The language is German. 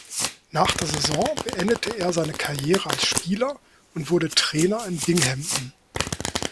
Nach der Saison beendete er seine Karriere als Spieler und wurde Trainer in Binghamton.